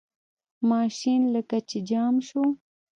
ماشین لکه چې جام شو.